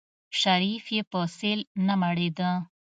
شريف يې په سيل نه مړېده.